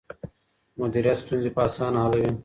مديريت ستونزې په اسانه حلوي.